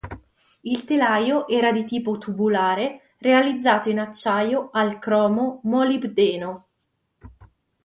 Il telaio era di tipo tubolare realizzato in acciaio al cromo-molibdeno.